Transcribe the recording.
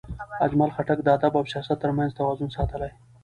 اجمل خټک د ادب او سیاست ترمنځ توازن ساتلی.